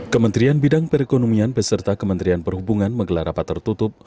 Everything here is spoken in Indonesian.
kementerian bidang perekonomian beserta kementerian perhubungan menggelar rapat tertutup